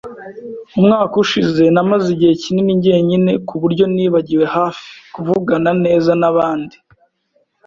Umwaka ushize, namaze igihe kinini jyenyine kuburyo nibagiwe hafi kuvugana neza nabandi.